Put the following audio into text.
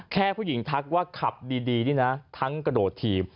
แค่ผู้หญิงทักว่าขับดีนี่นะทั้งกระโดดถีบ